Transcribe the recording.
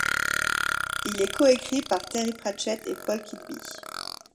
Il est coécrit par Terry Pratchett et Paul Kidby.